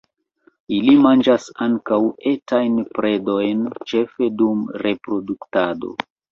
Ili manĝas ankaŭ etajn predojn, ĉefe dum reproduktado.